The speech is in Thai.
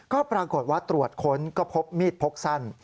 ก็ปรากฏว่าตรวจค้นก็พบมีดพกสั้น